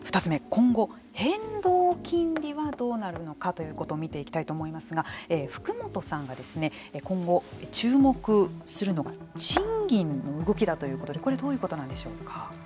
今後、変動金利はどうなるのかということを見ていきたいと思いますが福本さんが今後、注目するのが賃金の動きだということでこれはどういうことなんでしょうか。